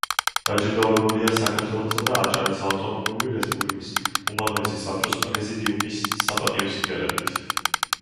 დაჯილდოებულია საქართველოსა და აჭარის ავტონომიური რესპუბლიკის უმაღლესი საბჭოს პრეზიდიუმის საპატიო სიგელებით.